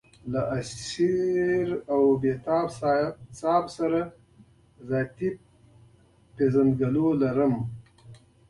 اسیر او بېتاب صاحب سره ذاتي پېژندګلوي لرم.